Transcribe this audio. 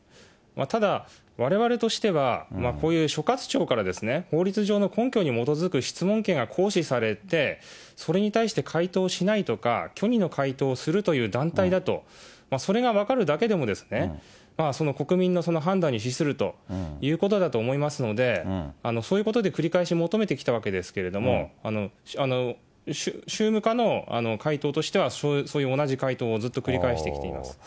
ただわれわれとしては、こういう所轄庁から法律上の根拠に基づく質問権が行使されて、それに対して回答しないとか、虚偽の回答をする団体だと、それが分かるだけでも、国民の判断に資するということだと思いますので、そういうことで繰り返し求めてきたわけですけれども、宗務課の回答としては、そういう同じ回答をずっと繰り返してきています。